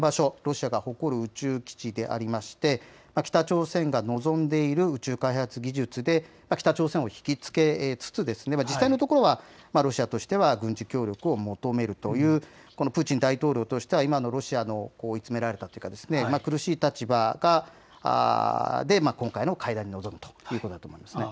会談場所、ロシアが誇る宇宙基地でありまして北朝鮮が望んでいる宇宙開発技術で北朝鮮を引きつけつつ実際のところはロシアとしては軍事協力を求めるというプーチン大統領としては今のロシアの追い詰められたというか苦しい立場で今回の会談に臨むということになると思います。